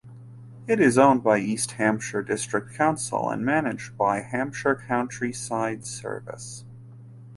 It is owned by East Hampshire District Council and managed by Hampshire Countryside Service.